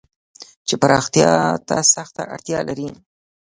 چې پراختيا ته سخته اړتيا لري.